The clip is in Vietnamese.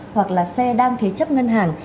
hoặc là xe đang thế chấp ngân hàng